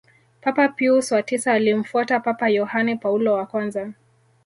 papa pius wa tisa alimfuata Papa yohane paulo wa kwanza